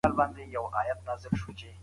څوک چي تحقیق کوي باید بې پرې واوسي.